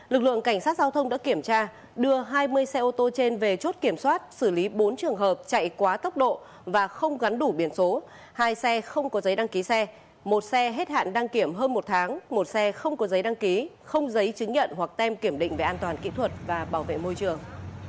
lực lượng cảnh sát giao thông đã kiểm tra đưa hai mươi xe ô tô trên về chốt kiểm soát xử lý bốn trường hợp chạy quá tốc độ và không gắn đủ biển số hai xe không có giấy đăng ký xe một xe hết hạn đăng kiểm hơn một tháng một xe không có giấy đăng ký không giấy chứng nhận hoặc tem kiểm định về an toàn kỹ thuật và bảo vệ môi trường